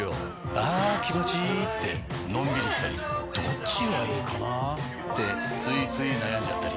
あ気持ちいいってのんびりしたりどっちがいいかなってついつい悩んじゃったり。